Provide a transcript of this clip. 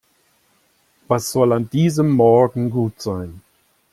Was soll an diesem Morgen gut sein?